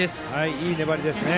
いい粘りですね。